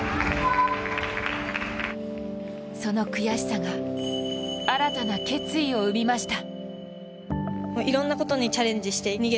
その悔しさが新たな決意を生みました。